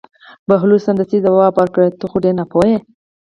بهلول سمدستي ځواب ورکړ: ته خو ډېر ناپوهه یې.